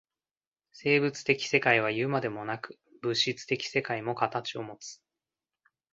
生物的世界はいうまでもなく、物質的世界も形をもつ。